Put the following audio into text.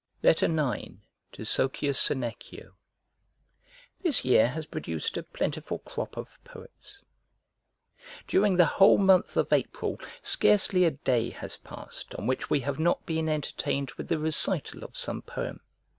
IX To SOCIUS SENECIO This year has produced a plentiful crop of poets: during the whole month of April scarcely a day has passed on which we have not been entertained with the recital of some poem.